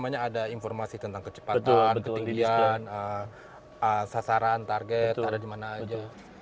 jadi ada informasi tentang kecepatan ketinggian sasaran target ada di mana saja